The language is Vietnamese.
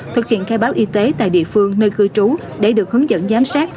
thực hiện khai báo y tế tại địa phương nơi cư trú để được hướng dẫn giám sát